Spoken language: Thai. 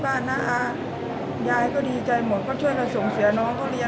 บ้านน้าอายายก็ดีใจหมดก็ช่วยเราส่งเสียน้องก็เรียน